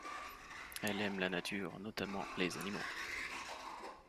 Elle aime la nature, notamment les animaux.